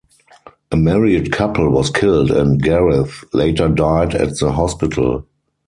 A married couple was killed and Garreth later died at the hospital.